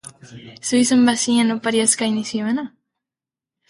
Zu izan bazinen oparia eskaini ziona?